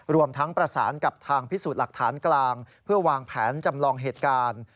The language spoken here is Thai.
รวมทั้งประสานกับทางพิสูจน์หลักฐานกลางเพื่อวางแผนจำลองเหตุการณ์